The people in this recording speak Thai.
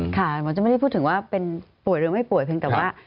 หมอจะไม่ได้พูดถึงว่าเป็นป่วยหรือไม่ป่วยเพียงแต่ว่า